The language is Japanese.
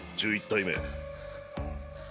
１１体目。